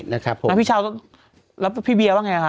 แล้วพี่เบียวะไงอะค่ะ